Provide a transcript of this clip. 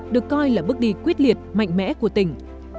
được coi là bước đi quyết liệt mạnh mẽ của tỉnh